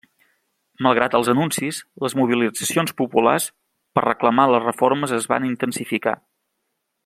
Malgrat els anuncis, les mobilitzacions populars per reclamar les reformes es van intensificar.